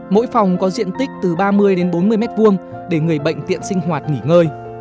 mỗi phòng có diện tích từ ba mươi đến bốn mươi m hai để người bệnh tiện sinh hoạt nghỉ ngơi